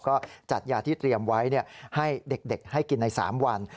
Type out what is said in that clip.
ก็จัดยาที่เตรียมไว้ให้เด็กให้กินใน๓วัน